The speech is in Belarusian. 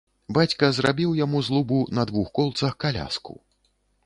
Бацька зрабіў яму з лубу на двух колцах каляску.